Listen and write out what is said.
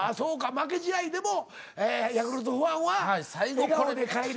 負け試合でもヤクルトファンは笑顔で帰る。